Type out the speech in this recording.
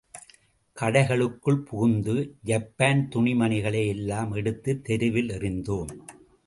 கடைகளுக்குள் புகுந்து ஜப்பான் துணி மணிகளை எல்லாம் எடுத்துத் தெருவில் எறிந்தோம்.